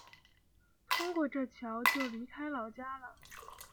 通过这桥就离开老家了